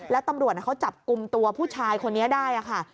แล้วตำรวจเขาจับกลุ่มตัวผู้ชายคนนี้ได้ค่ะ